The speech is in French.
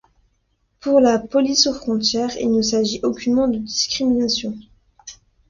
Pour la police aux frontières, il ne s'agit aucunement de discrimination.